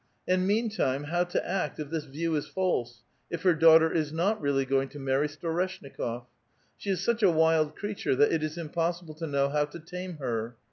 And meantime how to act if this view is false, if her daughter is not really going to marry Storeshnikof ? She is such a wild creature that it is impossible to know how to tame her.